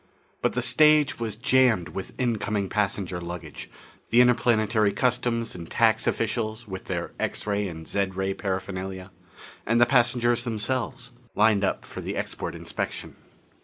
But the stage was jammed with incoming passenger luggage, the interplanetary customs and tax officials with their x ray and zed ray paraphernalia and the passengers themselves, lined up for the export inspection.